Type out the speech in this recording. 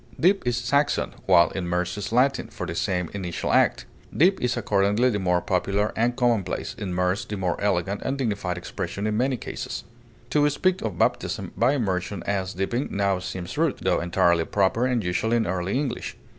Dip is Saxon, while immerse is Latin for the same initial act; dip is accordingly the more popular and commonplace, immerse the more elegant and dignified expression in many cases. To speak of baptism by immersion as dipping now seems rude; tho entirely proper and usual in early English.